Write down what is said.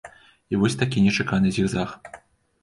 І вось такі нечаканы зігзаг.